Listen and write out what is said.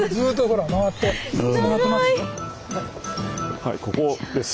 はいここです。